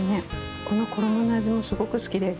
この衣の味もすごく好きです。